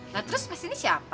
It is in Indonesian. lho terus pas ini siapa